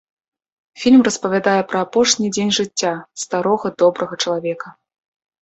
Фільм распавядае пра апошні дзень жыцця старога добрага чалавека.